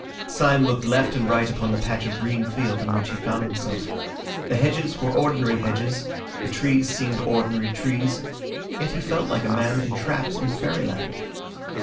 Syme looked left and right upon the patch of green field in which he found himself. The hedges were ordinary hedges, the trees seemed ordinary trees; yet he felt like a man entrapped in fairyland.